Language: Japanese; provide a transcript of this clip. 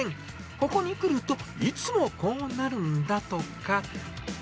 ここに来ると、いつもこうなるんだとか。